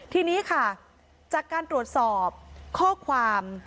ทีนี้ค่ะจากการตรวจสอบข้อความ